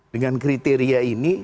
dengan kriteria ini